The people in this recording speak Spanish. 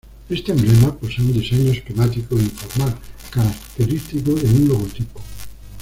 Este emblema posee un diseño esquemático e informal, característico de un logotipo.